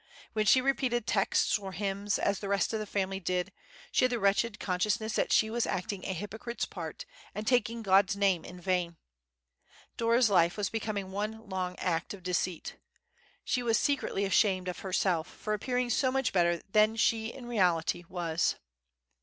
When she repeated texts or hymns, as the rest of the family did, she had the wretched consciousness that she was acting a hypocrite's part, and taking God's name in vain. Dora's life was becoming one long act of deceit. She was secretly ashamed of herself for appearing so much better than she in reality was.